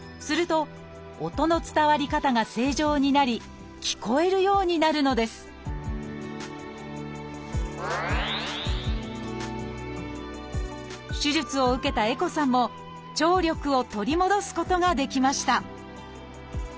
すると音の伝わり方が正常になり聞こえるようになるのです手術を受けた絵心さんも聴力を取り戻すことができました